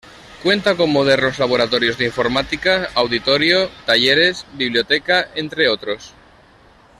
Cuenta con modernos laboratorios de informática, auditorio, talleres, biblioteca, entre otros.